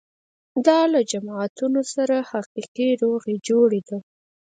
دا له جماعتونو سره حقیقي روغې جوړې ده.